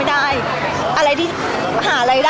พี่ตอบได้แค่นี้จริงค่ะ